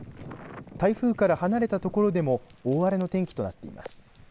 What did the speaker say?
台風から離れたところでも大荒れの天気となっています。